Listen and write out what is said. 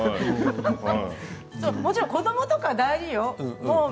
もちろん子どもは大事よ